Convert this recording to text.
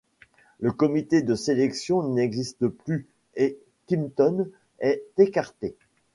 Le Comité de sélection n'existe plus et Kimpton est écarté.